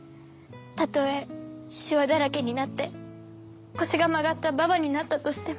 たとえシワだらけになって腰が曲がった婆になったとしても。